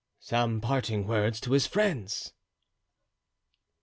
"Some parting words to his friends."